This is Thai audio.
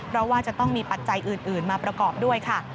เพราะว่าจะต้องมีปัจจัยอื่นมาประกอบด้วยค่ะ